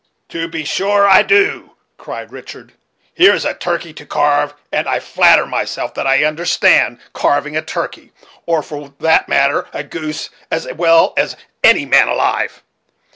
"To be sure I do," cried Richard. "Here is a turkey to carve; and I flatter myself that I understand carving a turkey, or, for that matter, a goose, as well as any man alive.